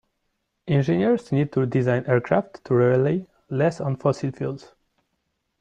Engineers need to design aircraft to rely less on fossil fuels.